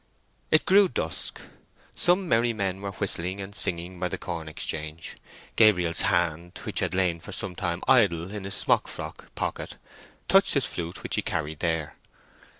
It grew dusk. Some merry men were whistling and singing by the corn exchange. Gabriel's hand, which had lain for some time idle in his smock frock pocket, touched his flute which he carried there.